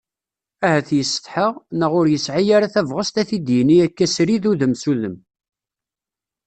Ahat yessetḥa, neɣ ur yesɛi ara tabɣest a t-id-yini akka srid udem s udem.